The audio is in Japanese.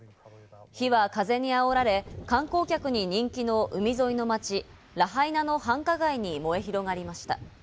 火は風にあおられ、観光客に人気の海沿いの街・ラハイナの繁華街に燃え広がりました。